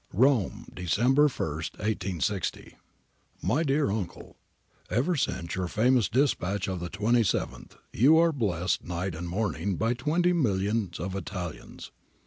• Rome, December ist, i860. • My dear Uncle, ' Ever since your famous dispatch of the 27th you are blessed night and morning by twenty millions of Italians.